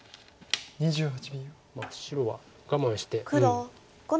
白は我慢してうん。